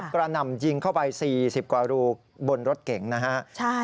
หนำยิงเข้าไป๔๐กว่ารูบนรถเก๋งนะฮะ